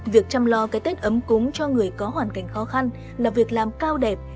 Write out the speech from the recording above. việc chăm lo cái tết ấm cúng cho người có hoàn cảnh khó khăn là việc làm cao đẹp